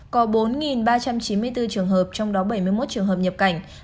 có bốn ba trăm chín mươi bốn trường hợp trong đó bảy mươi một trường hợp nhập cảnh